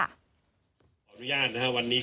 คุณผู้ชมไปฟังผู้ว่ารัฐกาลจังหวัดเชียงรายแถลงตอนนี้ค่ะ